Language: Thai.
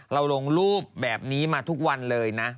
ลงรูปแบบนี้มาทุกวันเลยนะ